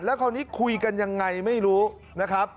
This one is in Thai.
คราวนี้คุยกันยังไงไม่รู้นะครับ